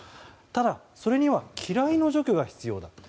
ただ、それには機雷の除去が必要だと。